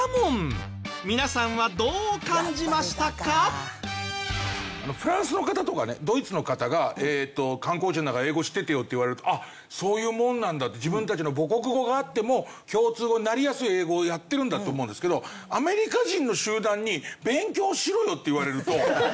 日本もフランスの方とかねドイツの方が観光地なら英語知っててよって言われるとそういうもんなんだって自分たちの母国語があっても共通語になりやすい英語をやってるんだって思うんですけどアメリカ人の集団に勉強しろよって言われると。